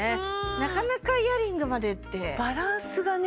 なかなかイヤリングまでってバランスがね